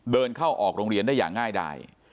เดินเข้าออกโรงเรียนได้อย่างง่ายดาย